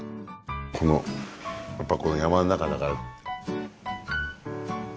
このやっぱ山の中だから。